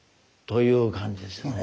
という感じですね。